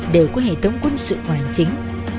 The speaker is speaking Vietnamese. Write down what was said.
đều có hệ thống quân sự ngoài hành chính